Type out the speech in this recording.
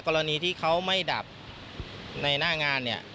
กรณีที่เขาไม่ดับในหน้างานเนี่ย